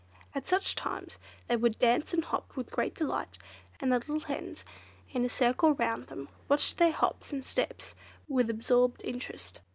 At such times they would dance and hop with great delight; and the little hens, in a circle round them, watched their hops and steps with absorbed interest.